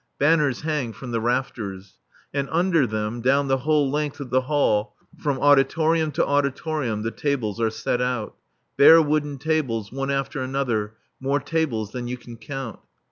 Banners hang from the rafters. And under them, down the whole length of the hall from auditorium to auditorium, the tables are set out. Bare wooden tables, one after another, more tables than you can count.